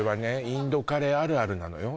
インドカレーあるあるなのよ